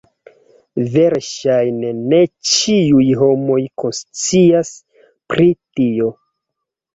Verŝajne ne ĉiuj homoj konscias pri tio.